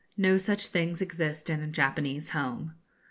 No such things exist in a Japanese home.